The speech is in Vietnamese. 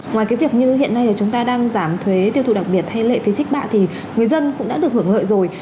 ngoài cái việc như hiện nay chúng ta đang giảm thuế tiêu thụ đặc biệt hay lệ phí trích bạ thì người dân cũng đã được hưởng lợi rồi